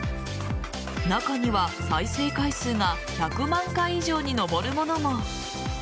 中には、再生回数が１００万回以上に上るものも。